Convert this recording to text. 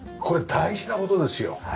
これ大事な事ですよ。